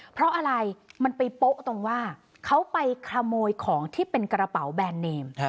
เพราะอะไรมันไปโป๊ะตรงว่าเขาไปขโมยของที่เป็นกระเป๋าแบรนดเนม